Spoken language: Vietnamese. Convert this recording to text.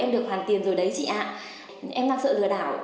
có người chuyển tiền triệu thậm chí hàng trăm triệu đồng